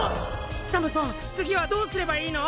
サムソン次はどうすればいいの？